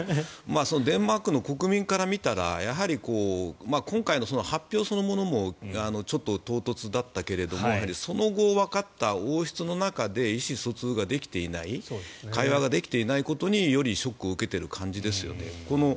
デンマークの国民から見たらやはり今回の発表そのものもちょっと唐突だったけれどもその後わかった王室の中で意思疎通ができていない会話ができていないことによりショックを受けている感じですよね。